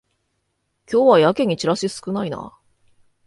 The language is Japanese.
今日はやけにチラシ少ないな